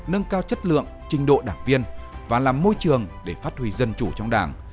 nâng cao chất lượng trình độ đảng viên và làm môi trường để phát huy dân chủ trong đảng